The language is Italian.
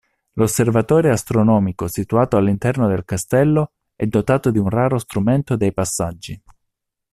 L'osservatorio astronomico situato all'interno del castello è dotato di un raro strumento dei passaggi.